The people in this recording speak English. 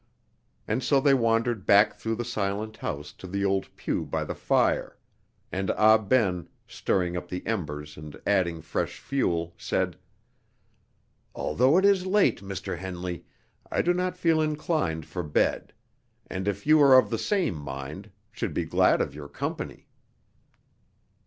And so they wandered back through the silent house to the old pew by the fire; and Ah Ben, stirring up the embers and adding fresh fuel, said: "Although it is late, Mr. Henley, I do not feel inclined for bed; and if you are of the same mind, should be glad of your company."